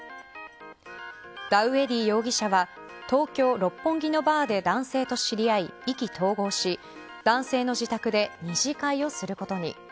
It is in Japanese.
ダウエディ容疑者は東京・六本木のバーで男性と知り合い、意気投合し男性の自宅で二次会をすることに。